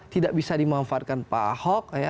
tidak bisa dimanfaatkan pak ahok ya